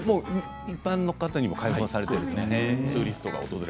一般の方にも開放されているんですね。